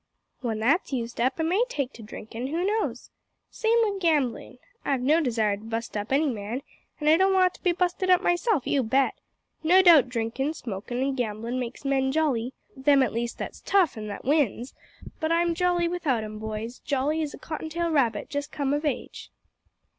When that's used up I may take to drinkin' who knows? Same wi' gamblin'. I've no desire to bust up any man, an' I don't want to be busted up myself, you bet. No doubt drinkin', smokin', an' gamblin' makes men jolly them at least that's tough an' that wins! but I'm jolly without 'em, boys, jolly as a cottontail rabbit just come of age."